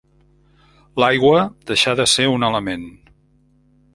L'aigua deixà de ser un element.